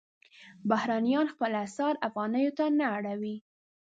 بهرنیان خپل اسعار افغانیو ته نه اړوي.